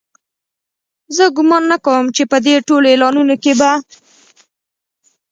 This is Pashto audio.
زه ګومان نه کوم چې په دې ټولو اعلانونو کې به.